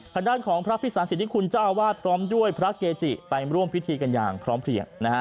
ขนาดของพระพิษาศิริคุณจ้าวาดพร้อมด้วยพระเกจิไปร่วมพิธีกันอย่างพร้อมเพลียง